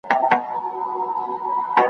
ملا وکښې دایرې یو څو شکلونه ,